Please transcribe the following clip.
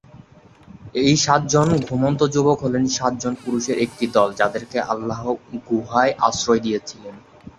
এই সাতজন ঘুমন্ত যুবক হলেন সাতজন পুরুষের একটি দল যাদেরকে আল্লাহ গুহায় আশ্রয় দিয়েছিল।